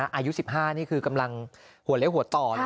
อายุ๑๕นี่คือกำลังหัวเล็กหัวต่อเลย